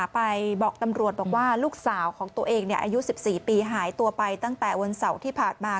ไปบอกตำรวจบอกว่าลูกสาวของตัวเองอายุ๑๔ปีหายตัวไปตั้งแต่วันเสาร์ที่ผ่านมา